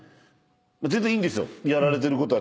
全然いいんですよ。